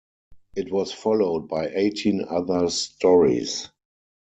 It was followed by eighteen other stories.